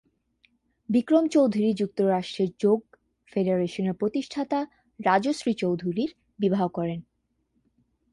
বিক্রম চৌধুরী যুক্তরাষ্ট্রের যোগ ফেডারেশনের প্রতিষ্ঠাতা রাজশ্রী চৌধুরীর বিবাহ করেন।